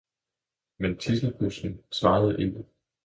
Men tidselbusken svarede ikke.